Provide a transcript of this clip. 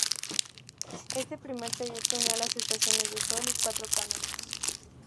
Este primer trayecto unía las estaciones de Sol y Cuatro Caminos.